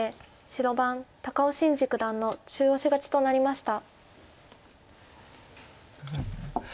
白番高尾紳路九段の中押し勝ちとなりました。